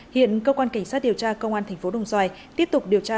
hiện cơ quan cảnh sát điều tra công an tp hcm tiếp tục điều tra